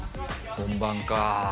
本番かあ。